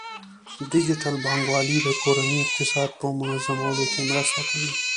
ډیجیټل بانکوالي د کورنۍ اقتصاد په منظمولو کې مرسته کوي.